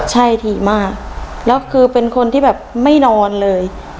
ใช่ถี่มากแล้วคือเป็นคนที่แบบไม่นอนเลย